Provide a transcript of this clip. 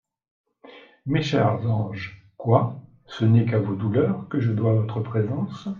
Mes chers anges, quoi ! ce n'est qu'à vos douleurs que je dois votre présence.